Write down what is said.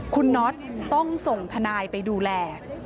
คุณน็อตต้องส่งทนายไปดูแล